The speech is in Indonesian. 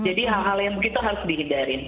jadi hal hal yang begitu harus dihindarin